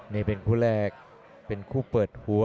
นี่เป็นคู่แรกเป็นคู่เปิดหัว